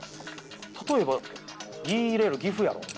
例えば「ぎ」入れる岐阜やろう。